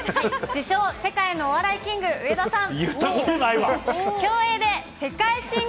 自称、世界のお笑いキング、上田さん。